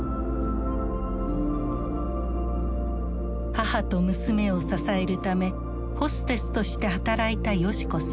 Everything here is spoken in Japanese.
母と娘を支えるためホステスとして働いた世志子さん。